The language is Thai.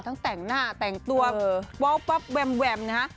ทั้งแต่งหน้าแต่งตัวแวมนะฮะ